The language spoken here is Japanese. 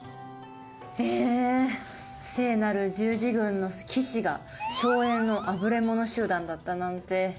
え聖なる十字軍の騎士が荘園のあぶれ者集団だったなんて。